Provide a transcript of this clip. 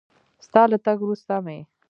ستا له تګ وروسته مې